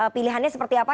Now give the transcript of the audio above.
pilihannya seperti apa